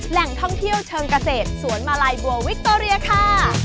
แหล่งท่องเที่ยวเชิงเกษตรสวนมาลัยบัววิคโตเรียค่ะ